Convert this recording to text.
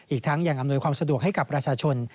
อีกทั้งยังอำนวยความสะดวกให้กับประชาชน